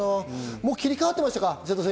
もう切り替わってましたか？